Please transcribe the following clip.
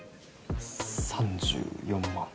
３４万